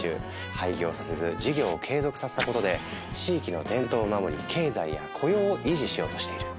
廃業させず事業を継続させたことで地域の伝統を守り経済や雇用を維持しようとしている。